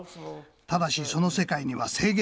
ただしその世界には制限がある。